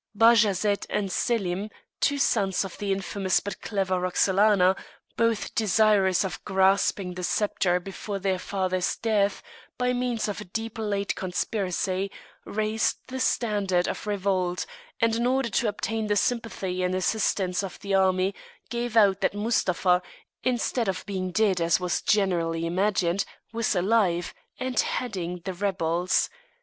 Bajazet and Selim, two sons of the infamous but clever Roxelana, both desirous of grasping the sceptre before their father's death, by means of a deep laid conspiracy, raised the standard of revolt; and in order to obtain the sympathy and assistance of the army gave out that Mustapha, instead of being dead as was generally imagined, was alive, and heading the rebels.